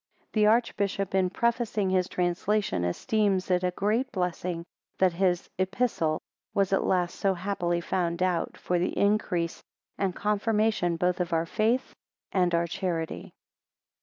The Archbishop, in prefacing his translation, esteems it a great blessing that this "Epistle" was at last so happily found out, for the increase and confirmation both of our faith and our charity.